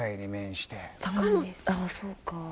あっそうか。